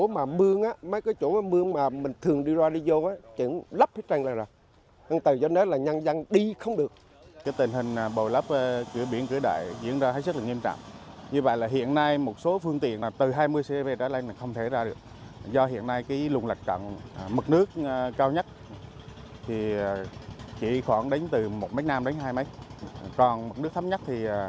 mực nước cao nhất thì chỉ khoảng đánh từ một mét nam đến hai mét còn mực nước thấp nhất thì khoảng một mét